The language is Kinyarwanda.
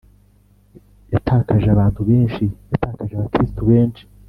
yatakaje abantu benshi, yatakaje abakristu benshi